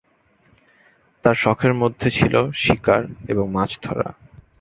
তার শখের মধ্যে ছিল শিকার এবং মাছ ধরা।